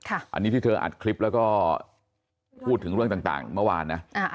อันนี้ที่เธออัดคลิปแล้วก็พูดถึงเรื่องต่างเมื่อวานนะ